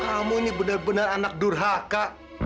kamu ini benar benar anak durhaka